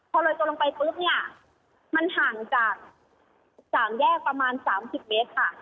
พอโรยตัวลงไปปุ๊บเนี่ยมันห่างจากสามแยกประมาณ๓๐เมตรค่ะ